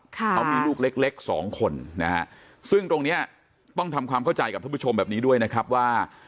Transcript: เขามีลูกเล็กเล็กสองคนนะฮะซึ่งตรงเนี้ยต้องทำความเข้าใจกับท่านผู้ชมแบบนี้ด้วยนะครับว่า